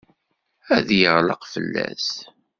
Ad yeɣleq fell-as.